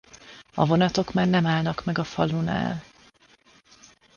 A vonatok már nem állnak meg a falunál.